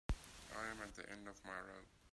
I'm at the end of my rope.